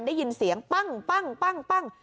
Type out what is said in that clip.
ได้ยินเสียงปั้งปั้งปั้งปั้ง